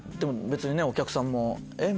お客さんもえっ？